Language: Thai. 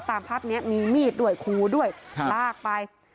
ตามภาพนี้มีมีดด้วยคูด้วยลากไป